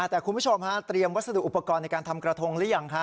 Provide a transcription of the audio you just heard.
แต่คุณผู้ชมฮะเตรียมวัสดุอุปกรณ์ในการทำกระทงหรือยังฮะ